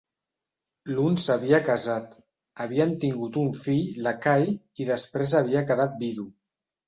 L'un s'havia casat, havien tingut un fill, l'Ekahi, i després havia quedat vidu.